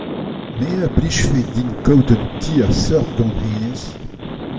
Me a blijfe din kaout un ti a seurt gant hennezh.